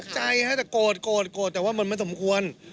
ใจฮะแต่โกรธโกรธแต่ว่ามันไม่สมควร